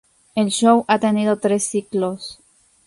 El show ha tenido tres ciclos.